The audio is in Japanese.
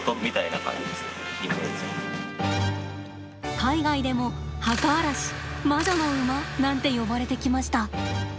海外でも「墓荒らし」「魔女の馬」なんて呼ばれてきました。